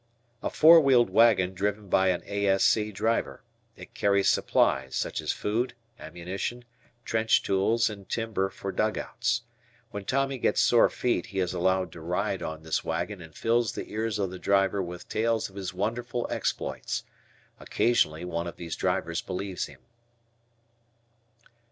A four wheeled wagon driven by an A.S.C. driver. It carries supplies, such as food, ammunition, trench tools, and timber tor dugouts. When Tommy gets sore feet he is allowed to ride on this wagon and fills the ears of the driver with tales of his wonderful exploits. Occasionally one of these drivers believes him.